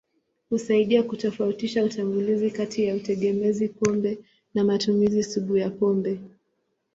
Husaidia kutofautisha utambuzi kati ya utegemezi pombe na matumizi sugu ya pombe.